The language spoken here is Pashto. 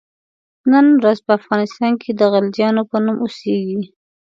نن ورځ په افغانستان کې د غلجیانو په نوم اوسیږي.